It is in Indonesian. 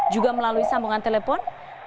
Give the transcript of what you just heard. juga melalui sambungan telepon